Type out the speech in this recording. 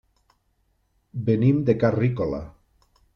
Venim de Carrícola.